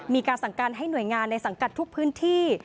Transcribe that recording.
มีการสั่งการให้หน่วยงานในสังกัดทุกพื้นที่